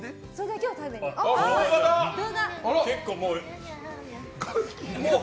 結構、もう。